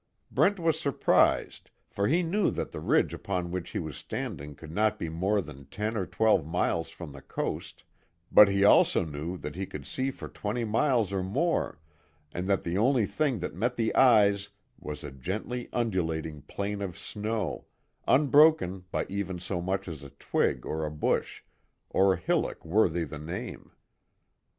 Brent was surprised, for he knew that the ridge upon which he was standing could not be more than ten or twelve miles from the coast, but he also knew that he could see for twenty miles or more, and that the only thing that met the eye was a gently undulating plain of snow, unbroken by even so much as a twig or a bush, or a hillock worthy the name.